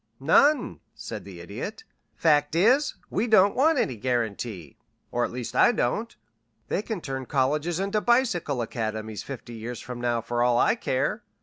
"None," said the Idiot. "Fact is, we don't want any guarantee or at least I don't. They can turn colleges into bicycle academies fifty years from now for all I care.